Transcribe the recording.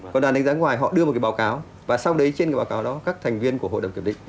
còn đoàn đánh giá ngoài họ đưa một cái báo cáo và sau đấy trên cái báo cáo đó các thành viên của hội đồng kiểm định